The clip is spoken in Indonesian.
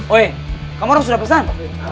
oh kamu orang sudah pesan